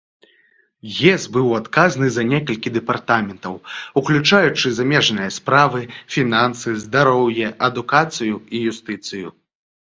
Гес быў адказны за некалькі дэпартаментаў, уключаючы замежныя справы, фінансы, здароўе, адукацыю і юстыцыю.